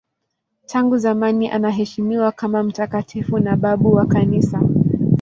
Tangu zamani anaheshimiwa kama mtakatifu na babu wa Kanisa.